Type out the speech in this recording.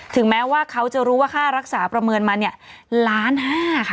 แม้ว่าเขาจะรู้ว่าค่ารักษาประเมินมาเนี่ยล้านห้าค่ะ